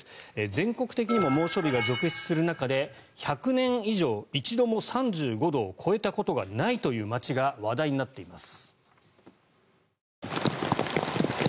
全国的にも猛暑日が続出する中で１００年以上、一度も３５度を超えたことがないという街が話題になっています。